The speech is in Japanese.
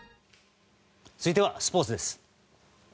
続いてはスポーツです。